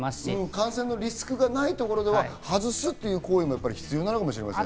感染リスクがないところでは外す行為が必要かもしれませんね。